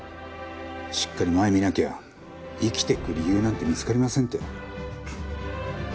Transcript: しっかり前見なきゃ生きていく理由なんて見つかりませんって。